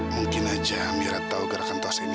mungkin aja amira tahu gerakan tos ini